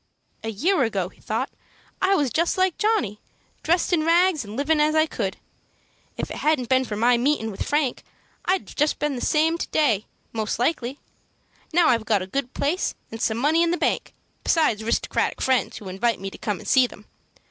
"A year ago," he thought, "I was just like Johnny, dressed in rags, and livin' as I could. If it hadn't been for my meetin' with Frank, I'd been just the same to day, most likely. Now I've got a good place, and some money in the bank, besides 'ristocratic friends who invite me to come and see them.